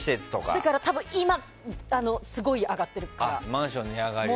だから今すごい上がってる。